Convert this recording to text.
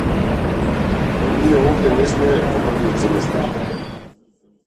Но ние овде не сме во првиот семестар.